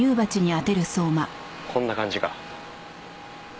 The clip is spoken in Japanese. こんな感じか？